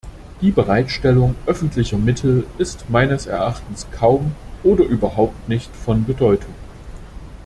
Die Bereitstellung öffentlicher Mittel ist meines Erachtens kaum oder überhaupt nicht von Bedeutung.